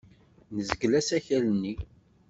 Nezgel asakal-nni.